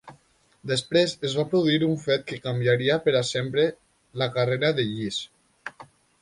Després es va produir un fet que canviaria per a sempre la carrera d'Ellis.